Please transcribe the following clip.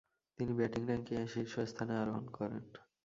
তিনি ব্যাটিং র্যাঙ্কিংয়ের শীর্ষস্থানে আরোহণ করেন।